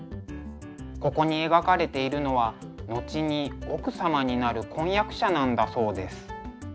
ここに描かれているのは後に奥様になる婚約者なんだそうです。